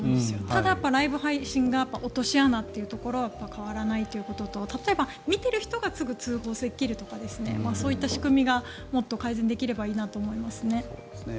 ただ、ライブ配信が落とし穴というところは変わらないということと例えば、見ている人がすぐ通報できるとかそういった仕組みがもっと改善できればいいなと思いますね。